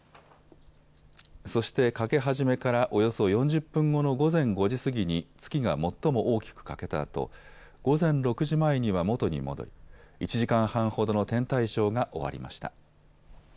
そして欠け始めからおよそ４０分後の午前５時過ぎに月が最も大きく欠けたあと午前６時前には元に戻り１時間半ほどの天体ショーが終わりました。